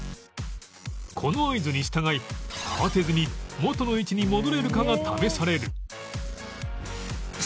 この合図に従い慌てずに元の位置に戻れるかが試される